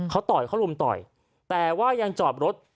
เขาต่อยเขารุมต่อยแต่ว่ายังจอดรถ